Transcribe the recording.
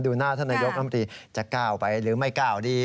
หน้าท่านนายกรมตรีจะก้าวไปหรือไม่ก้าวดี